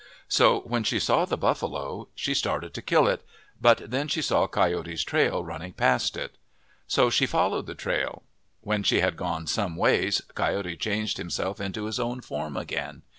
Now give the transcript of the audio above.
So when she saw the buffalo, she started to kill it, but then she saw Coyote's trail running past it. So she followed the trail. When she had gone some ways, Coyote changed himself into his own form again.